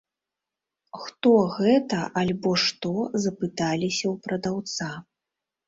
Хто гэта альбо што, запыталіся ў прадаўца.